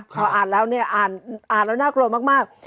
พออ่านแล้วน่ากลัวมาก